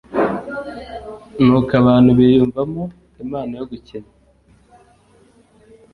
ni uko abantu biyumvamo impano yo gukina